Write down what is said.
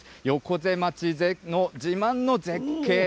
横瀬町の自慢の絶景